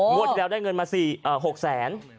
งวดที่เดียวได้เงินมา๖แสน